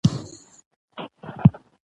د بانک کارکوونکي د فساد په مخنیوي کې مرسته کوي.